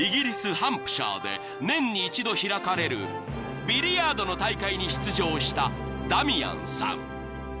ハンプシャーで年に一度開かれるビリヤードの大会に出場したダミアンさん］